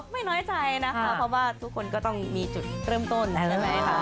ไม่น้อยใจนะคะเพราะว่าทุกคนก็ต้องมีจุดเริ่มต้น